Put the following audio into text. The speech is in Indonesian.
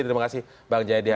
terima kasih mbak jaya diana